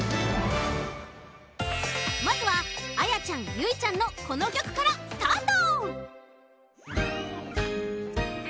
まずはあやちゃんゆいちゃんのこのきょくからスタート！